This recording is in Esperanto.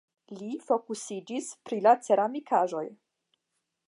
Li fokusiĝis pri la ceramikaĵoj.